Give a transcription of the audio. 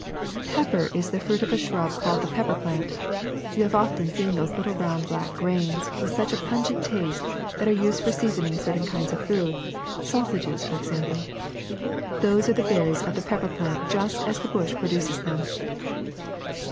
^^ Pepper is the fruit of a shrub called the pepper plant. You have often seen those little round black grains, with such a pungent taste, that are used for seasoning certain kinds of food — sausages for example. Those are the berries of the pepper plant just as the bush produces them.''